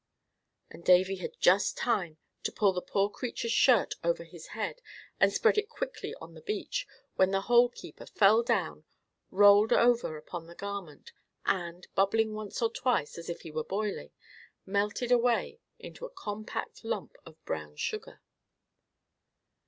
and Davy had just time to pull the poor creature's shirt over his head and spread it quickly on the beach, when the Hole keeper fell down, rolled over upon the garment, and, bubbling once or twice, as if he were boiling, melted away into a compact lump of brown sugar.